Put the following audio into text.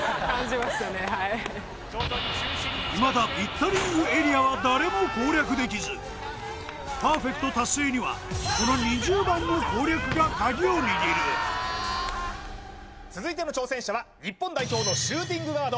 未だピッタリングエリアは誰も攻略できずパーフェクト達成にはこの２０番の攻略が鍵を握る続いての挑戦者は日本代表のシューティングガード